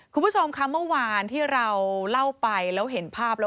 คุณผู้ชมค่ะเมื่อวานที่เราเล่าไปแล้วเห็นภาพแล้ว